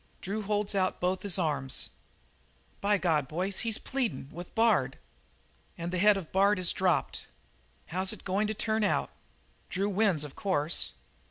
Drew holds out both his arms. By God, boys, he's pleadin' with Bard. "And the head of Bard is dropped. How's it goin' to turn out? Drew wins, of course.